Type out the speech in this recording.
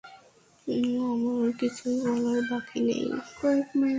আমার কিছুই বলার বাকী নেই!